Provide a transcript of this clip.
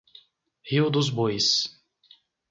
Rio dos Bois